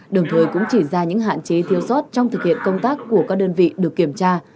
đồng thời cũng chỉ ra những hạn chế thiêu sót trong thực hiện công tác của các đơn vị được kiểm tra